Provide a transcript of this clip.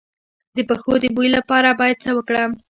د پښو د بوی لپاره باید څه وکړم؟